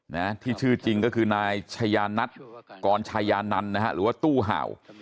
นะที่ชื่อจริงก็คือนายชายานัทกรชายานันนะฮะหรือว่าตู้เห่า